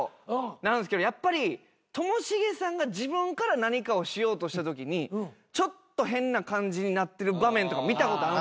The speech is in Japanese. なんすけどやっぱりともしげさんが自分から何かをしようとしたときにちょっと変な感じになってる場面とかも見たことあるんすよ。